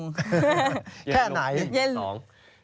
แค่ไหน